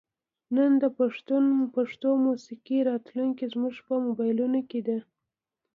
نن د پښتو موسیقۍ راتلونکې زموږ په موبایلونو کې ده.